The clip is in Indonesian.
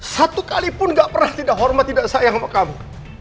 satu kalipun gak pernah tidak hormat tidak sayang sama kamu